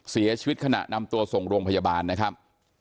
เสียชีวิตขณะนำตัวส่งโรงพยาบาลนะครับ